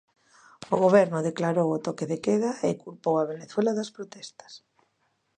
O Goberno declarou o toque de queda e culpou a Venezuela das protestas.